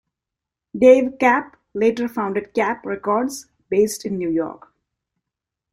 Dave Kapp later founded Kapp Records, based in New York.